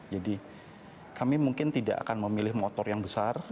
jadi kami mungkin tidak akan memilih motor yang besar